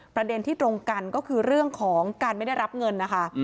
ประเด็นที่ตรงกันก็คือเรื่องของการไม่ได้รับเงินนะคะ